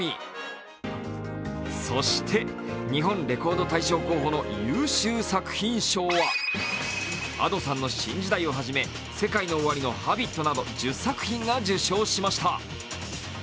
そして「日本レコード大賞」候補の優秀作品賞はＡｄｏさんの「新時代」をはじめＳＥＫＡＩＮＯＯＷＡＲＩの「Ｈａｂｉｔ」など１０作品が受賞しました。